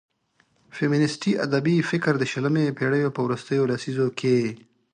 فيمينستي ادبي فکر د شلمې پېړيو په وروستيو لسيزو کې